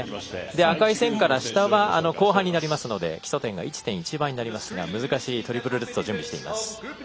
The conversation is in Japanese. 赤い線から下は後半になりますので基礎点が１．１倍になりますが難しいトリプルルッツを準備しています。